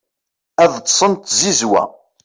ad ṭṭsen d tzizwa